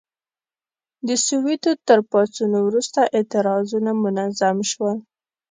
د سووېتو تر پاڅون وروسته اعتراضونه منظم شول.